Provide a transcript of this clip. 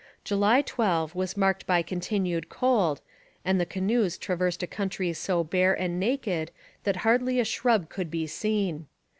July 12 was marked by continued cold, and the canoes traversed a country so bare and naked that scarcely a shrub could be seen.